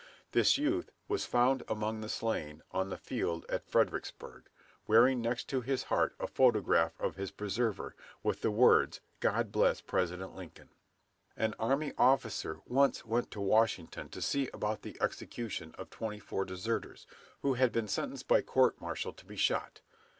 This youth was found among the slain on the field of Fredericksburg, wearing next his heart a photograph of his preserver, with the words, "God bless President Lincoln." An army officer once went to Washington to see about the execution of twenty four deserters, who had been sentenced by court martial to be shot.